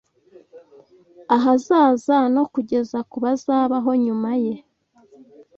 ahazaza no kugeza ku bazabaho nyuma ye